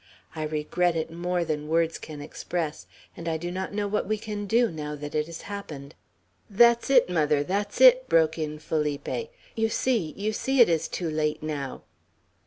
I regret it more than words can express, and I do not know what we can do, now that it has happened." "That's it, mother! That's it!" broke in Felipe. "You see, you see it is too late now."